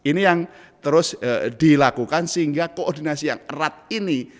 ini yang terus dilakukan sehingga koordinasi yang erat ini